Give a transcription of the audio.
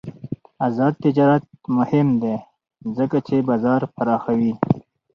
آزاد تجارت مهم دی ځکه چې بازار پراخوي.